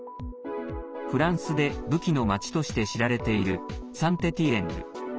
フランスで、武器の街として知られているサン・テティエンヌ。